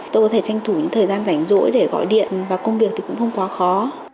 tôi có thể tranh thủ những thời gian rảnh rỗi để gọi điện và công việc thì cũng không quá khó